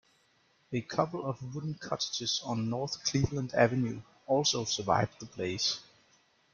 A couple of wooden cottages on North Cleveland Avenue also survived the blaze.